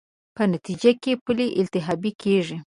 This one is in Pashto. په نتېجه کې پلې التهابي کېږي.